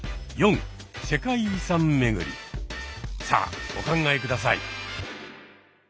さあお考え下さい。